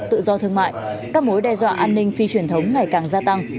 tự do thương mại các mối đe dọa an ninh phi truyền thống ngày càng gia tăng